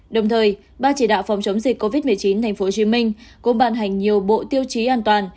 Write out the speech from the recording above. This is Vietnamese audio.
đồng thời ban chỉ đạo phòng chống dịch covid một mươi chín tp hcm cũng ban hành nhiều bộ tiêu chí an toàn